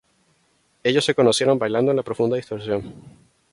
Ellos se conocieron bailando en la profunda distorsión.